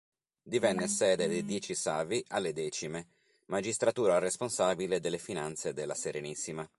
Divenne sede dei Dieci Savi alle Decime, magistratura responsabile delle finanze della Serenissima.